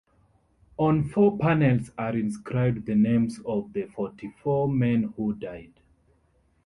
On four panels are inscribed the names of the forty-four men who died.